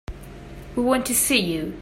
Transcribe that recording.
We want to see you.